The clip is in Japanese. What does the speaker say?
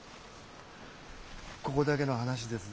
ここだけの話ですぞ。